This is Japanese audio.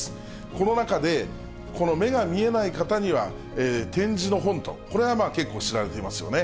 この中で、この目が見えない方には、点字の本と、これはまあ、結構、知られていますよね。